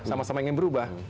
sama sama ingin berubah